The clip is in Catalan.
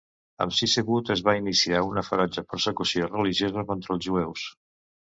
Amb Sisebut es va iniciar una ferotge persecució religiosa contra els jueus.